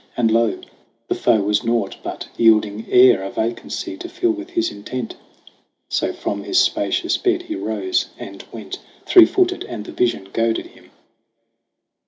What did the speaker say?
And lo, the foe was naught but yielding air, A vacancy to fill with his intent ! So from his spacious bed he 'rose and went Three footed ; and the vision goaded him.